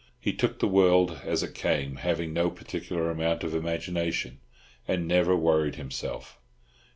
He took the world as it came, having no particular amount of imagination, and never worried himself.